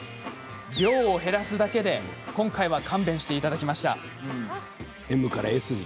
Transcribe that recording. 量を減らすだけで今回は勘弁して頂きましたＭからＳに。